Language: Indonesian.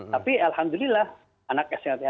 tapi alhamdulillah anak sl ta pun bisa